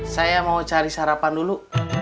saya mau cari sarapan dulu